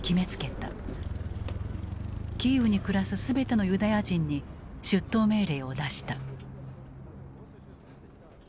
キーウに暮らす全てのユダヤ人に出頭命令を出した。